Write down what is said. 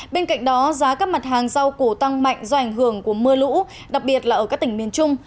bên cạnh đó giá các mặt hàng rau củ tăng mạnh do ảnh hưởng của mưa lũ đặc biệt là ở các tỉnh miền trung